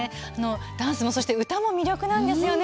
ダンスも歌も魅力なんですよね。